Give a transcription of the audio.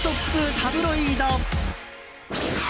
タブロイド。